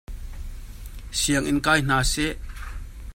Sianginn kai hna sih.